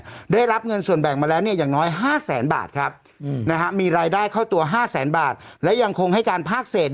ได้รับเงินส่วนแบ่งมาแล้วเนี่ยอย่างน้อยห้าแสนบาทครับนะฮะมีรายได้เข้าตัวห้าแสนบาทและยังคงให้การภาคเศษ